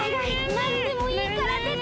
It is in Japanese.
なんでもいいからでて！